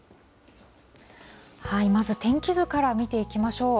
まず天気図から見ていきましょう。